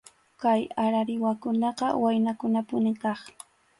Kay arariwakunaqa waynakunapunim kaq.